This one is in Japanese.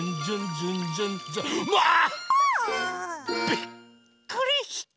びっくりした。